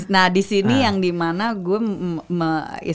nah disini yang dimana gue